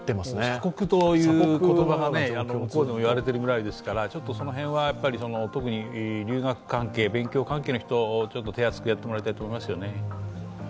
鎖国という言葉が向こうでも言われているぐらいですから、その辺は、特に留学関係、勉強関係の人を手厚くやってもらいたいと思いますよね。